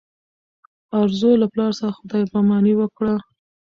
ارزو له پلار سره خدای په اماني وکړه.